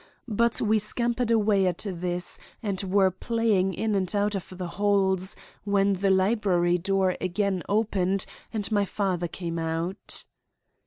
But we scampered away at this, and were playing in and out of the halls when the library door again opened and my father came out.